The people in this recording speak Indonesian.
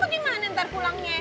terus encon kemana ntar pulangnya